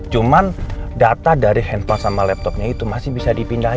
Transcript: cuman data dari handphone sama laptopnya itu masih bisa dipindahkan